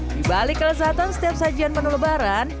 di balik kelesatan setiap sajian penuh lebaran